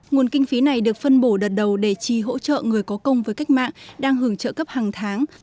nguồn kinh phí này được phân bổ đợt đầu để chi hỗ trợ người có công với cách mạng đang hưởng trợ cấp hàng tháng